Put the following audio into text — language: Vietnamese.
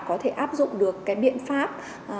có thể áp dụng được cái biện pháp